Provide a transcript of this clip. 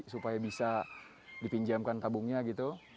supaya bisa dipinjamkan tabungnya gitu